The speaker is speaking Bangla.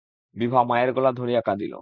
বিভা মায়ের গলা ধরিয়া কাঁদিল।